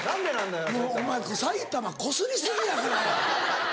もうお前埼玉こすり過ぎやから。